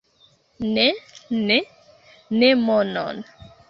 Ne, ne, ne monon!